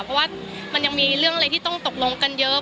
เพราะว่ามันยังมีเรื่องอะไรที่ต้องตกลงกันเยอะ